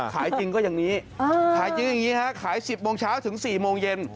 ขายจริงก็อย่างนี้ขายเยอะอย่างนี้ฮะขาย๑๐โมงเช้าถึง๔โมงเย็น